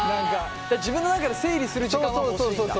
自分の中で整理する時間は欲しいんだ。